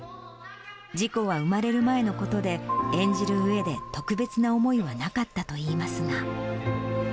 事故は生まれる前のことで、演じるうえで特別な思いはなかったといいますが。